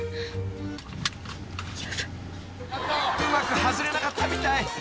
［うまく外れなかったみたい］